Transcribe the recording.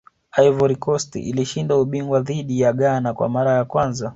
ivory coast ilishinda ubingwa dhidi ya ghana kwa mara ya kwanza